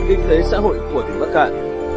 kinh tế xã hội của quốc hạn